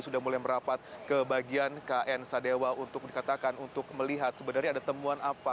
sudah mulai merapat ke bagian kn sadewa untuk dikatakan untuk melihat sebenarnya ada temuan apa